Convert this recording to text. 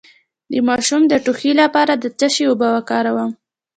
د ماشوم د ټوخي لپاره د څه شي اوبه وکاروم؟